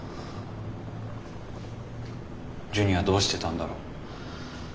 ジュニはどうしてたんだろう。